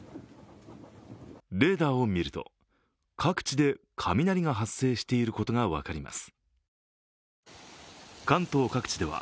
レーダーを見ると、各地で雷が発生していることが分かります。